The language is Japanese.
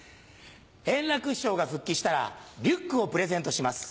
円楽師匠が復帰したらリュックをプレゼントします。